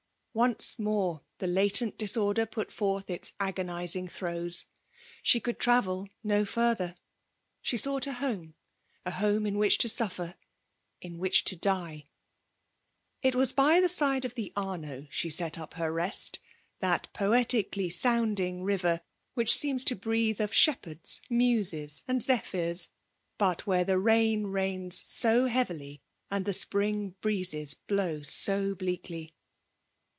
Once more the latent disorder put forth its agonizing throes. She could travel no further : she sought a home — a home in which to suffer — in which to die ! It was by the side of the Amo she set up her rest — that poeti cally sounding river, which seems to breathe of shepherds, muses, and zephyrs ; but where the rain rains so heavily, and the spring breezes blow so bleakly.